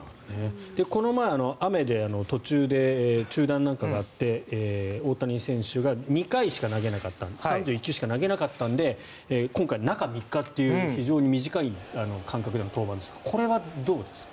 この前、雨で途中で中断なんかがあって大谷選手が２回しか３１球しか投げなかったので今回、中３日という非常に短い間隔での登板ですがこれはどうですか？